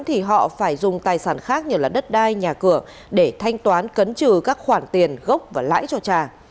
thì họ phải dùng tài sản khác như đất đai nhà cửa để thanh toán cấn trừ các khoản tiền gốc và lãi cho trà